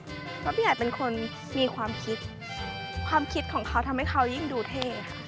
เพราะพี่ใหญ่เป็นคนมีความคิดความคิดของเขาทำให้เขายิ่งดูเท่ค่ะ